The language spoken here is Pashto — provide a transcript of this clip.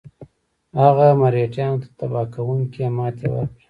هغه مرهټیانو ته تباه کوونکې ماته ورکړه.